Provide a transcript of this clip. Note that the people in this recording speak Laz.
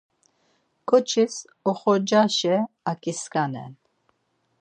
ǩoçis oxorcaşe aǩisǩanen.